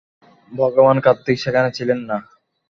ভগবান কার্তিক সেখানে ছিলেন না।